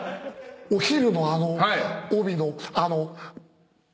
お昼のあの帯のあの。